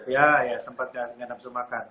ya ya sempat nggak nafsu makan